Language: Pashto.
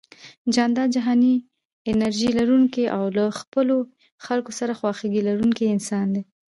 جانداد جهاني انرژي لرونکی او له خپلو خلکو سره خواخوږي لرونکی انسان دی